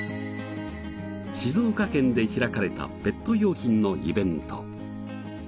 静岡県で開かれたペット用品のイベント。